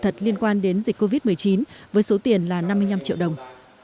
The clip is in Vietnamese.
thật liên quan đến dịch covid một mươi chín với số tiền là năm mươi năm triệu đồng